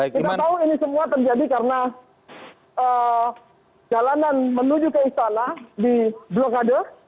kita tahu ini semua terjadi karena jalanan menuju ke istana di blokade